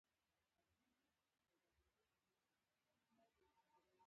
مس بارکلي: ته فکر کوې چې دا کار شونی نه دی؟